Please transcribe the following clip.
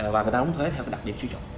và người ta đóng thuế theo đặc điểm sử dụng